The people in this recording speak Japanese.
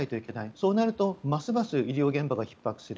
そうなるとますます医療現場がひっ迫する。